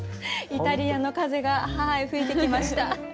イタリアの風が吹いてきました。